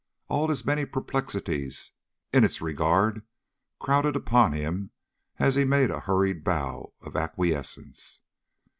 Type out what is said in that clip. All his many perplexities in its regard crowded upon him as he made a hurried bow of acquiescence.